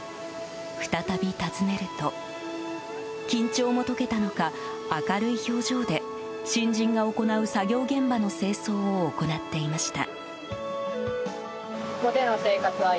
再び訪ねると緊張も解けたのか、明るい表情で新人が行う作業現場の清掃を行っていました。